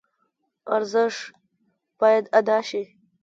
ارزش باید ادا شي.